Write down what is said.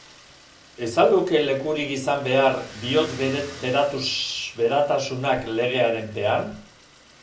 Ez al luke lekurik izan behar bihozberatasunak legearen pean?